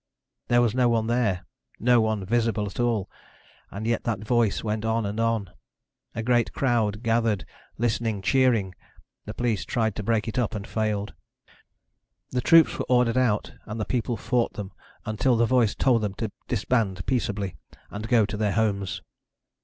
There was no one there ... no one visible at all. And yet that voice went on and on. A great crowd gathered, listening, cheering. The police tried to break it up and failed. The troops were ordered out and the people fought them until the voice told them to disband peaceably and go to their homes.